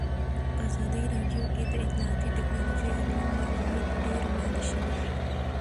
په ازادي راډیو کې د اطلاعاتی تکنالوژي اړوند معلومات ډېر وړاندې شوي.